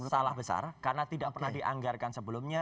salah besar karena tidak pernah dianggarkan sebelumnya